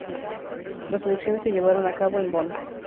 Las elecciones se llevaron a cabo en Bonn.